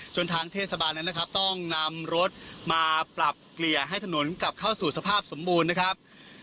ทางเทศบาลนั้นนะครับต้องนำรถมาปรับเกลี่ยให้ถนนกลับเข้าสู่สภาพสมบูรณ์นะครับ